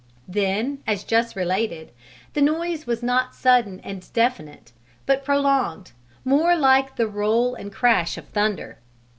Then, as just related, the noise was not sudden and definite, but prolonged more like the roll and crash of thunder.